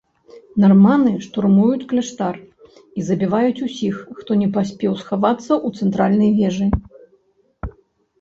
Нарманы штурмуюць кляштар і забіваюць усіх, хто не паспеў схавацца ў цэнтральнай вежы.